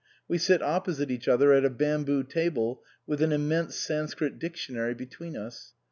We sit opposite each other at a bamboo table with an immense Sanscrit dictionary between us.